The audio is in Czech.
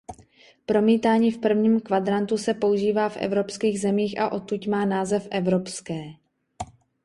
Promítání v prvním kvadrantu se používá v evropských zemích a odtud má název evropské.